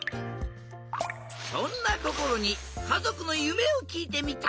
そんなこころにかぞくのゆめをきいてみた！